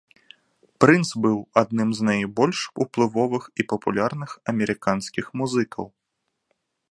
Прынц быў адным з найбольш уплывовых і папулярных амерыканскіх музыкаў.